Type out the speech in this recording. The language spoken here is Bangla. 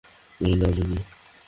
এই নাও, জিনি।